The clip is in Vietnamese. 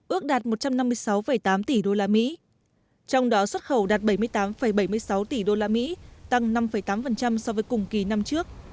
ước đạt một trăm năm mươi sáu tám tỷ usd trong đó xuất khẩu đạt bảy mươi tám bảy mươi sáu tỷ usd tăng năm tám so với cùng kỳ năm trước